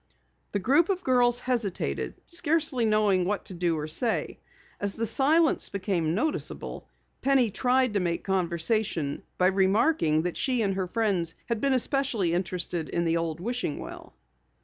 The group of girls hesitated, scarcely knowing what to do or say. As the silence became noticeable, Penny tried to make conversation by remarking that she and her friends had been especially interested in the old wishing well.